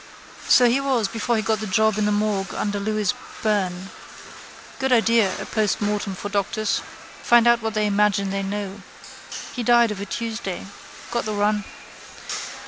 So he was before he got the job in the morgue under Louis Byrne. Good idea a postmortem for doctors. Find out what they imagine they know. He died of a Tuesday. Got the run.